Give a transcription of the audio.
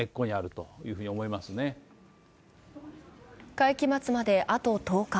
会期末まであと１０日。